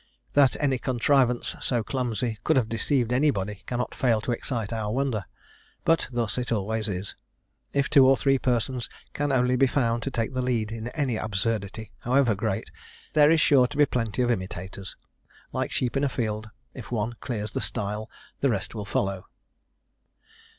That any contrivance so clumsy could have deceived anybody, cannot fail to excite our wonder. But thus it always is. If two or three persons can only be found to take the lead in any absurdity, however great, there is sure to be plenty of imitators. Like sheep in a field, if one clears the stile, the rest will follow.